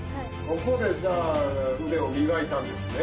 ここでじゃあ腕を磨いたんですね